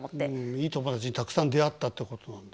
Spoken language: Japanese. いい友達にたくさん出会ったってことなんだ。